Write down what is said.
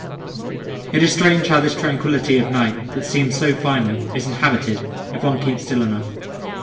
It is strange how this tranquillity of night, that seems so final, is inhabited, if one keeps still enough.